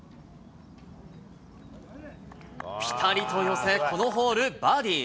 ぴたりと寄せ、このホール、バーディー。